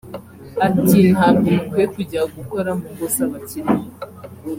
Ati “Ntabwo mukwiye kujya gukora mu ngo z’abakire